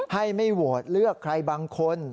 ให้ไม่โหวตเลือกใครบางคน